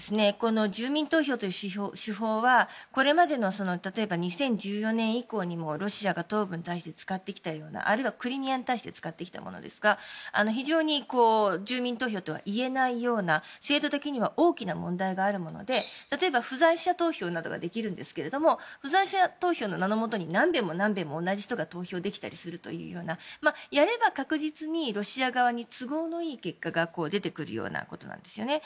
住民投票という手法はこれまでの２０１４年以降にもロシアが東部に対して使ってきたようなあるいはクリミアに対して使ってきたものですが非常に住民投票とは言えないような制度的には大きな問題があるもので例えば、不在者投票などができるんですけれども不在者投票の名のもとに何べんも、何べんも同じ人が投票できたりするというようなやれば確実にロシア側に都合のいい結果が出てくるようなことなんですよね。